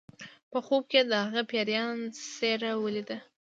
په خوب کې یې د هغه پیریان څیره ولیده